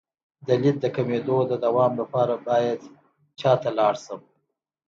د لید د کمیدو د دوام لپاره باید چا ته لاړ شم؟